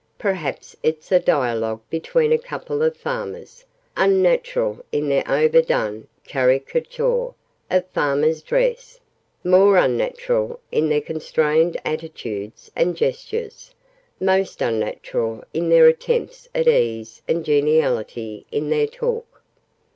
Perhaps it's a dialogue between a couple of farmers unnatural in their overdone caricature of farmers' dress more unnatural in their constrained attitudes and gestures most unnatural in their attempts at ease and geniality in their talk.